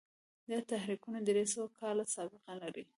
دا تحریکونه درې سوه کاله سابقه لري.